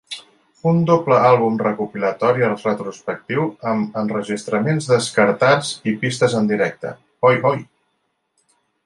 Un doble àlbum recopilatori retrospectiu amb enregistraments descartats i pistes en directe, Hoy-Hoy!